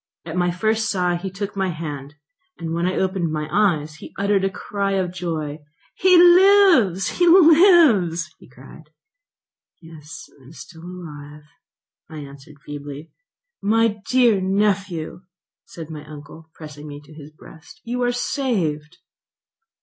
At my first sigh he took my hand; when I opened my eyes he uttered a cry of joy. "He lives! he lives!" he cried. "Yes, I am still alive," I answered feebly. "My dear nephew," said my uncle, pressing me to his breast, "you are saved."